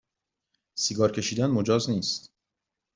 سیگار کشیدن مجاز نیست